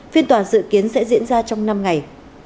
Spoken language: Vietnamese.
phiên tòa dự kiến sẽ diễn ra trong năm ngày